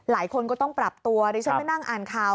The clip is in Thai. หลายคนก็ต้องปรับตัวดิฉันไปนั่งอ่านข่าว